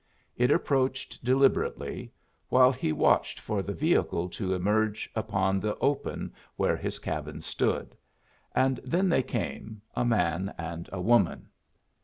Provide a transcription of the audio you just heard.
It approached deliberately, while he watched for the vehicle to emerge upon the open where his cabin stood; and then they came, a man and a woman.